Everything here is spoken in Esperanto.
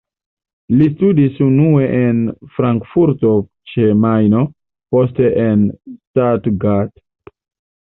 Li studis unue en Frankfurto ĉe Majno, poste en Stuttgart.